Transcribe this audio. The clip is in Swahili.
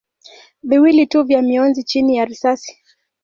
viwili tu vya mionzi chini ya risasi.